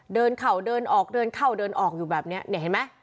เข่าเดินออกเดินเข้าเดินออกอยู่แบบนี้เนี่ยเห็นไหม